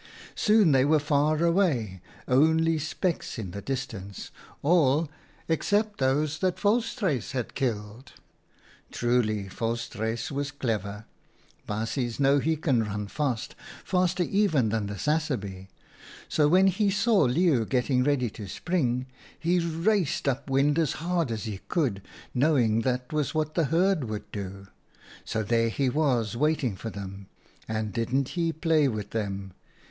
Soon they were far away, only specks in the distance ; all except those that Volstruis had killed. Truly Volstruis was clever ! Baasjes know, he can run fast — faster even than the sassaby. So when he saw Leeuw getting ready to spring, he raced up wind as hard as he could, knowing that was what the herd would do. So there he was waiting for them, and didn't he play with them